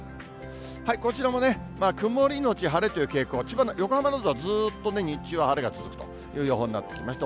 こちらも曇り後晴れという傾向、横浜などはずっと日中晴れが続くという予報になってきました。